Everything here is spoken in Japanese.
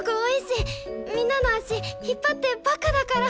みんなの足引っ張ってばっかだから。